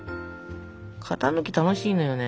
型抜き楽しいのよね。